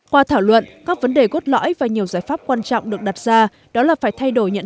qua thảo luận các vấn đề cốt lõi và nhiều giải pháp quan trọng được đặt ra đó là phải thay đổi nhận